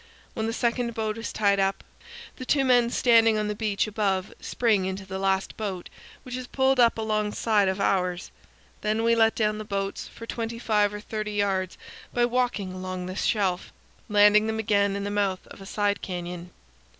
When the second boat is tied up, the two men standing on the beach above spring into the last boat, which is pulled up alongside of ours; then we let down the boats for 25 or 30 yards by walking along the shelf, landing them again in the mouth of a side canyon.